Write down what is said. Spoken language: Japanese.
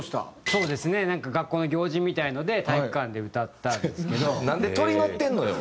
そうですね学校の行事みたいので体育館で歌ったんですけど。